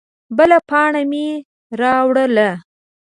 _بله پاڼه مې راواړوله.